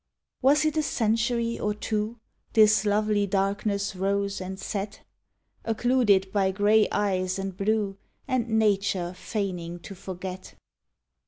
Was it a century or two This lovely darkness rose and set, Occluded by grey eyes and blue, And Nature feigning to forget?